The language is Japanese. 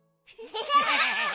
アハハハ！